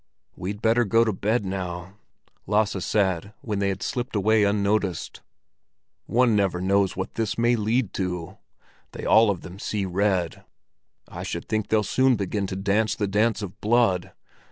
"We'd better go to bed now," Lasse said, when they had slipped away unnoticed. "One never knows what this may lead to. They all of them see red; I should think they'll soon begin to dance the dance of blood.